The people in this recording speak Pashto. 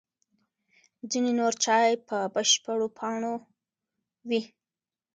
ځینې نور چای په بشپړو پاڼو وي.